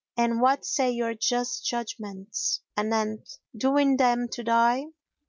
And what say your just judgments anent doing them to die?"